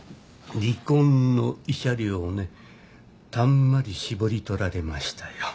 離婚の慰謝料をねたんまり搾り取られましたよ。